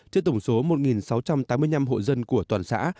trên tổng số một sáu trăm tám mươi năm hộ dân của toàn xã